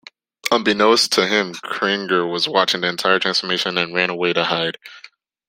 Unbeknownst to him, Cringer was watching the entire transformation and ran away to hide.